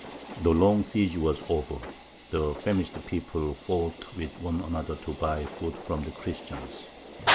] The long siege was over; the famished people fought with one another to buy food from the Christians.